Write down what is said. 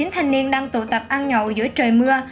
chín thanh niên đang tụ tập ăn nhậu giữa trời mưa